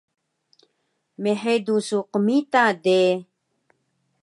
mhedu su qmita de